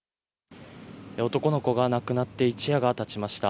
男の子が亡くなって一夜がたちました。